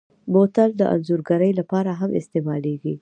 بوتل د انځورګرۍ لپاره هم استعمالېږي.